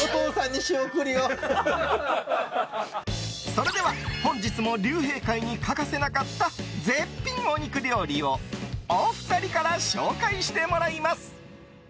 それでは本日も竜兵会に欠かせなかった絶品お肉料理をお二人から紹介してもらいます。